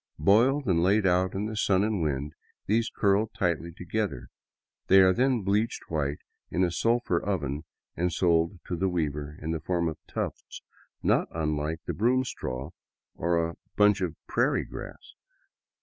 Boiled and laid out in the sun and wind, these curl tightly together. They are then bleached white in a sulphur oven and sold to the weaver in the form of tufts not unlike the broom straw, or a bunch of prairie grass.